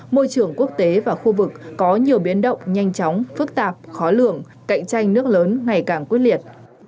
môi trường quốc tế và khu vực có nhiều biến động nhanh chóng phức tạp khó lường cạnh tranh nước lớn ngày càng quyết liệt